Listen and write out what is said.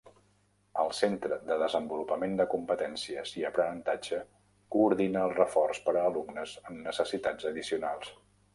El Centre de Desenvolupament de Competències i Aprenentatge coordina el reforç per a alumnes amb necessitats addicionals.